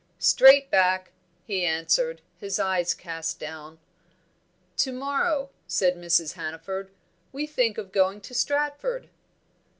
"Straight back," he answered, his eyes cast down. "To morrow," said Mrs. Hannaford, "we think of going to Stratford."